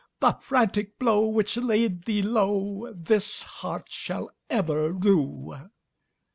The frantic blow which laid thee lowThis heart shall ever rue."